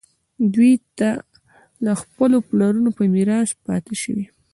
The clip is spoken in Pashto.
دوی ته له خپلو پلرونو په میراث پاتې شوي.